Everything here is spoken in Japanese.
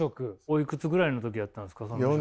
おいくつぐらいの時やったんですか？